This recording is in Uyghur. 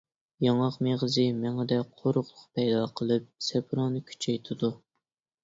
ياڭاق مېغىزى مېڭىدە قۇرۇقلۇق پەيدا قىلىپ سەپرانى كۈچەيتىدۇ.